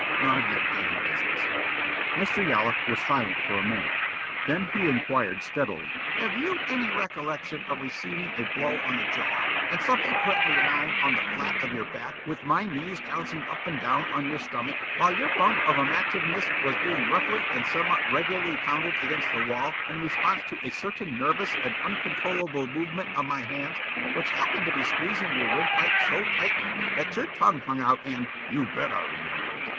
"None of your damn business." Mr. Yollop was silent for a moment. Then he inquired steadily: "Have you any recollection of receiving a blow on the jaw, and subsequently lying on the flat of your back with my knees jouncing up and down on your stomach while your bump of amativeness was being roughly and somewhat regularly pounded against the wall in response to a certain nervous and uncontrollable movement of my hands which happened to be squeezing your windpipe so tightly that your tongue hung out and " "You bet I remember it!"